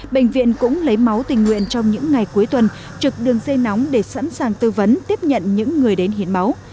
bệnh viện cũng lấy máu tình nguyện trong những ngày cuối tuần trực đường dây nóng để sẵn sàng tư vấn tiếp nhận những người đến hiến máu